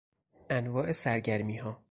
انواع سرگرمیها